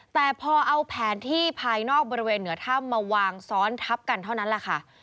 แต่พอเอาแผนที่ภายนอกบริเวณเหนือถ้ำมาวางซ้อนทับกันเท่านั้นแหละค่ะ